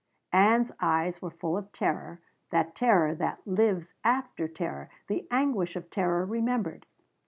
Ann's eyes were full of terror, that terror that lives after terror, the anguish of terror remembered.